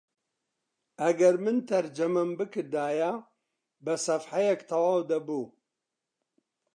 ئەگەر من تەرجەمەم بکردایە بە سەفحەیەک تەواو دەبوو